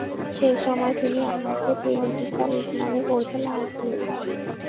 সেই সময় তিনি আমাকে পোলিটিক্যাল ইকনমি পড়াতে লাগলেন।